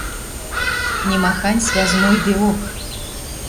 Нимахань связнойдеок